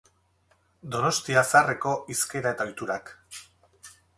Donostia zaharreko hizkera eta ohiturak.